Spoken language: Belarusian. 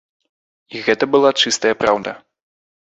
І гэта была чыстая праўда!